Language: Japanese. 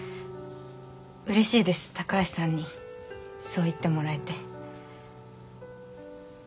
嬉しいです高橋さんにそう言ってもらえて。